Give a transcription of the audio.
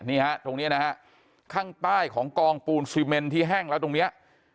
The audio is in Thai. นี่ฮะตรงนี้นะฮะข้างใต้ของกองปูนซีเมนที่แห้งแล้วตรงเนี้ย